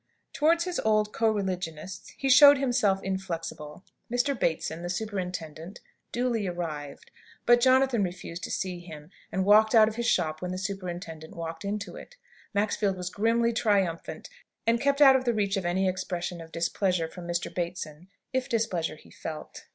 Towards his old co religionists he showed himself inflexible. Mr. Bateson, the superintendent, duly arrived, but Jonathan refused to see him, and walked out of his shop when the superintendent walked into it. Maxfield was grimly triumphant, and kept out of the reach of any expression of displeasure from Mr. Bateson, if displeasure he felt.